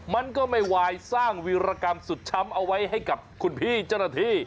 มันก็ไม่ไหวสร้างวีรกรรมสุดช้ำเอาไว้ให้กับคุณพี่เจ้าหน้าที่